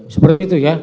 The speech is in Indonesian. seperti itu ya